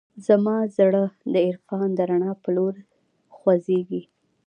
زما زړه د عرفان د رڼا په لور خوځېږي.